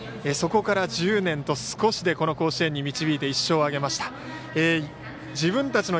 そこから１０年と少しでこの甲子園に導いて１勝を挙げました。